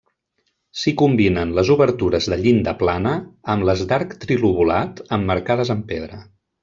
S'hi combinen les obertures de llinda plana amb les d'arc trilobulat, emmarcades en pedra.